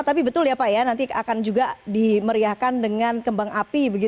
tapi betul ya pak ya nanti akan juga dimeriahkan dengan kembang api